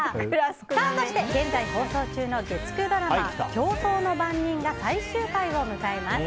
そして、現在放送中の月９ドラマ「競争の番人」が最終回を迎えます。